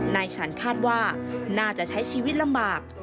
นายฉันคาดว่าน่าจะใช้ชีวิตลำบาก